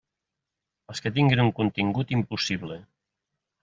Els que tinguen un contingut impossible.